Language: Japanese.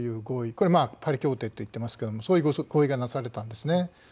これはパリ協定と言ってますけどそういう合意がなされたんですね。